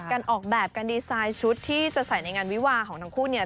การออกแบบการดีไซน์ชุดที่จะใส่ในงานวิวาของทั้งคู่เนี่ย